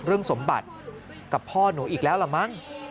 สมบัติกับพ่อหนูอีกแล้วล่ะมั้ง